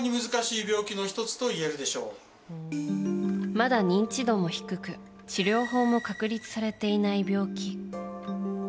まだ認知度も低く治療法も確立されていない病気。